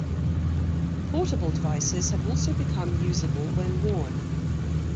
Portable devices have also become usable when worn.